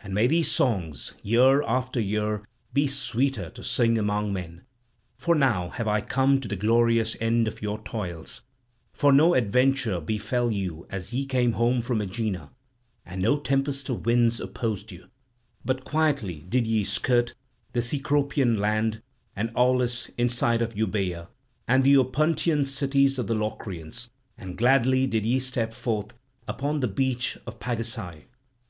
And may these songs year after year be sweeter to sing among men. For now have I come to the glorious end of your toils; for no adventure befell you as ye came home from Aegina, and no tempest of winds opposed you; but quietly did ye skirt the Cecropian land and Aulis inside of Euboea and the Opuntian cities of the Locrians, and gladly did ye step forth upon the beach of Pagasae.